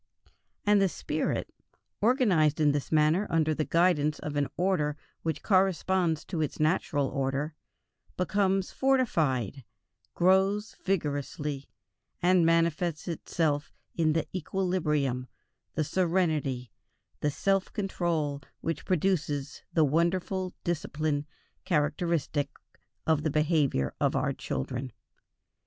And the spirit, organized in this manner under the guidance of an order which corresponds to its natural order, becomes fortified, grows vigorously, and manifests itself in the equilibrium, the serenity, the self control which produce the wonderful discipline characteristic of the behavior of our children.